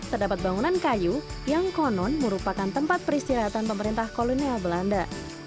terdapat bangunan kayu yang konon merupakan tempat peristirahatan pemerintah kolonial belanda